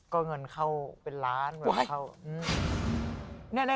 ก็เหมือนเข้าเป็นร้านเหมือนเข้า